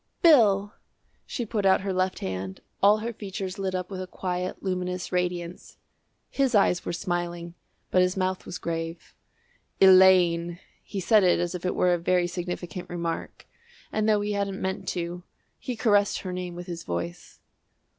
"Bill!" She put out her left hand, all her features lit up with a quiet luminous radiance. His eyes were smiling, but his mouth was grave. "Elaine!" He said it as if it were a very significant remark, and, though he hadn't meant to, he caressed her name with his voice.